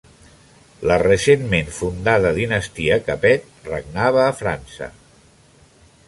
La recentment fundada dinastia Capet regnava a França.